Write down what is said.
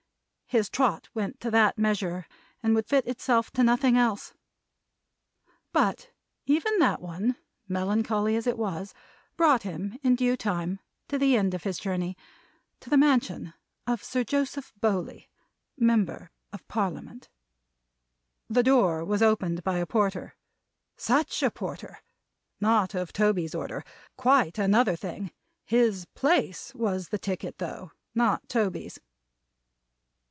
his trot went to that measure, and would fit itself to nothing else. But, even that one, melancholy as it was, brought him, in due time, to the end of his journey. To the mansion of Sir Joseph Bowley, Member of Parliament. The door was opened by a Porter. Such a Porter! Not of Toby's order. Quite another thing. His place was the ticket, though; not Toby's.